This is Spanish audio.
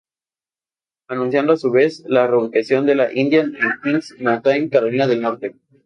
Anunciando a su vez, la reubicación de Indian en Kings Mountain, Carolina del Norte.